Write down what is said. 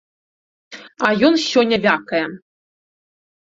А ён сёння вякае.